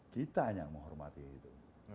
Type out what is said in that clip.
kita yang menghormati itu